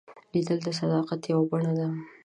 لیدل د صداقت یوه بڼه ده